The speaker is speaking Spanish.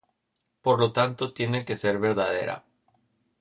Por lo tanto tiene que ser verdadera.